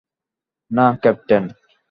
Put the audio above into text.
না, ক্যাপ্টেন।